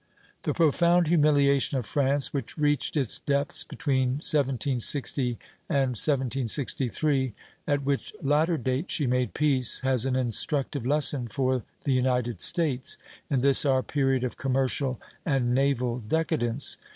The profound humiliation of France, which reached its depths between 1760 and 1763, at which latter date she made peace, has an instructive lesson for the United States in this our period of commercial and naval decadence.